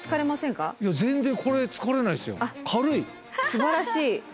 すばらしい！